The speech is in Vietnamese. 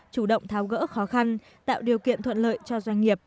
chủ động tháo gỡ khó khăn tạo điều kiện thuận lợi cho doanh nghiệp